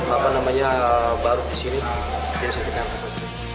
apa namanya baru di sini jadi sedikit yang tersebut